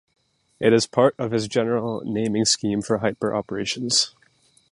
It is part of his general naming scheme for hyperoperations.